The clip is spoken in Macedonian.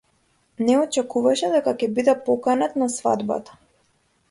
Не очекуваше дека ќе биде поканет на свадбата.